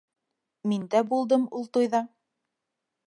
Мин дә булдым ул туйҙа.